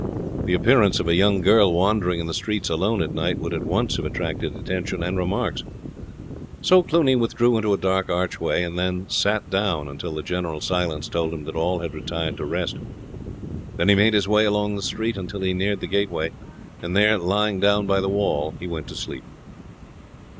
The appearance of a young girl wandering in the streets alone at night would at once have attracted attention and remarks. So Cluny withdrew into a dark archway, and then sat down until the general silence told him that all had retired to rest. Then he made his way along the street until he neared the gateway, and there lying down by the wall he went to sleep.